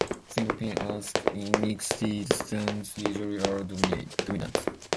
Single pin oaks in mixed stands usually are dominants.